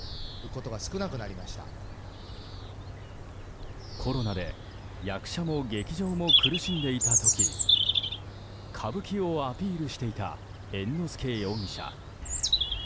わかるぞコロナで役者も劇場も苦しんでいた時歌舞伎をアピールしていた猿之助容疑者。